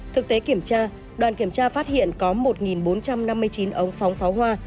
thực tế kiểm tra đoàn kiểm tra phát hiện có một bốn trăm năm mươi chín ống phóng pháo hoa